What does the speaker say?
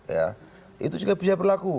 ya itu juga bisa berlaku